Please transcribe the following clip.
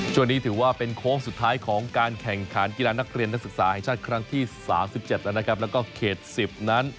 ช่วงนี้ถือว่าเป็นโค้งสุดท้ายของการแข่งขารกีฬานักเรียนนักศึกษาแห่งชาติครั้งที่๓๗แล้วก็เขต๑๐นั้น